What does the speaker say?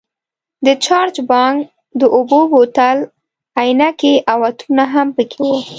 د چارج بانک، د اوبو بوتل، عینکې او عطرونه هم پکې وو.